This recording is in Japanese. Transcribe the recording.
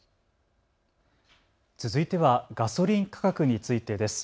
続いてはガソリン価格についてです。